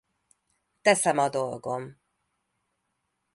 Teszem a dolgom.